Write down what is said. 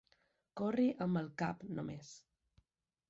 Corri amb el cap, només.